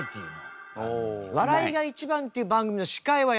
「笑いがいちばん」っていう番組の司会は。